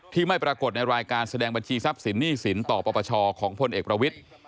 ไม่ปรากฏในรายการแสดงบัญชีทรัพย์สินหนี้สินต่อปปชของพลเอกประวิทธิ์